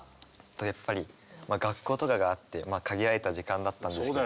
やっぱり学校とかがあって限られた時間だったんですけど。